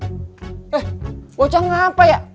eh wacah ngapa ya